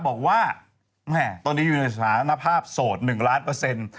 บอกว่าแม่ตอนนี้อยู่ในสถานภาพโสด๑ล้านเปอร์เซ็นต์